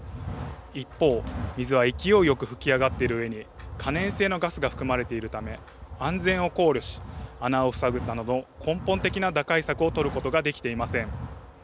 一方、水は勢いよく噴き上がっているうえに、可燃性のガスが含まれているため、安全を考慮し、穴を塞ぐなど、根本的な打開策を取ることができていません。